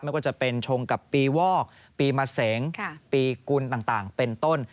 ไม่ว่าจะเป็นชงกับปีวอกปีมะเสงปีกุลต่างเป็นต้น